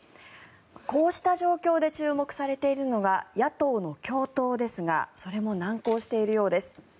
こうした状況で注目されているのが野党の共闘ですがそれも難航しているようです。